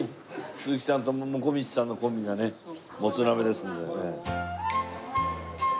鈴木さんともこみちさんのコンビがねもつなべですんでね。